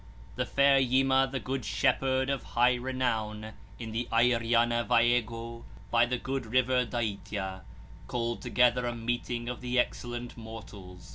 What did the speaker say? The fair Yima, the good shepherd, of high renown 2 in the Airyana Vaêgô, by the good river Dâitya, called together a meeting of the excellent mortals 4.